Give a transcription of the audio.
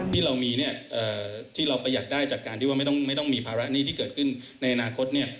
ที่เรามีที่เราประหยัดได้จากการที่ว่าไม่ต้องมีภาระหนี้ที่เกิดขึ้นในอนาคต